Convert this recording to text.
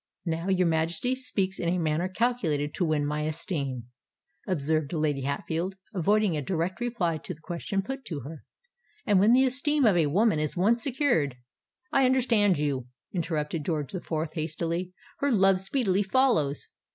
"Now your Majesty speaks in a manner calculated to win my esteem," observed Lady Hatfield, avoiding a direct reply to the question put to her; "and when the esteem of a woman is once secured——" "I understand you," interrupted George the Fourth, hastily: "her love speedily follows.